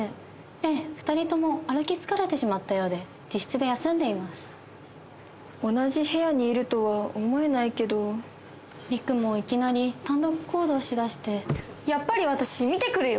ええ二人とも歩き疲れてしまったようで自室で休んでいます同じ部屋にいるとは思えないけど三玖もいきなり単独行動をしだしてやっぱり私見てくるよ！